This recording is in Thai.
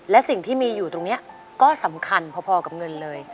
และสิ่งที่มีอยู่ตรงนี้ก็สำคัญพอกับเงินเลย